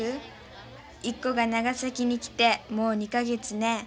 イッコが長崎に来てもう２か月ね。